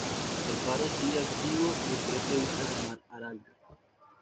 El faro sigue activo y ofrece vistas al mar Arábigo.